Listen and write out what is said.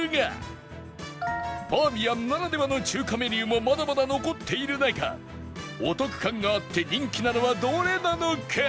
バーミヤンならではの中華メニューもまだまだ残っている中お得感があって人気なのはどれなのか？